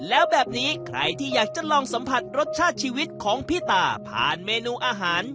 แล้วแบบนี้ใครที่อยากจะลองสัมผัสรสชาติชีวิตของพี่ตาผ่านเมนูอาหาร